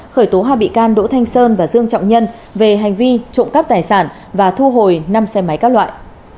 khởi tố hai bị can đỗ thanh sơn và dương trọng nhân về hành vi trộm cắp tài sản và thu hồi năm xe máy các loại